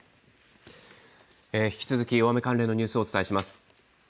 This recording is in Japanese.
引き続き大雨関連のニュースをお伝えします。